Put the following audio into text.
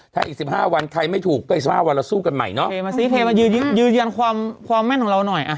ถ้าอีก๑๕วันใครไม่ถูกหยุดอย่างความแม่นของเราหน่อย